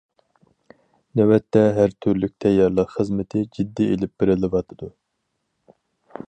نۆۋەتتە ھەر تۈرلۈك تەييارلىق خىزمىتى جىددىي ئېلىپ بېرىلىۋاتىدۇ.